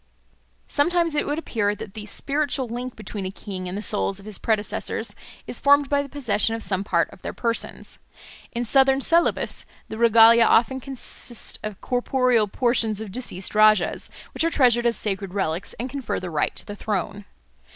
Sometimes it would appear that the spiritual link between a king and the souls of his predecessors is formed by the possession of some part of their persons. In southern Celebes the regalia often consist of corporeal portions of deceased rajahs, which are treasured as sacred relics and confer the right to the throne.